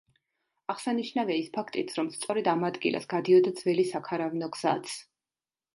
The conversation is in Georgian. აღსანიშნავია ის ფაქტიც, რომ სწორედ ამ ადგილას გადიოდა ძველი საქარავნო გზაც.